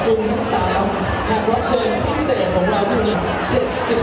ขอบคุณทั้งสามแค่รับเชิญพิเศษของเราทุกวัน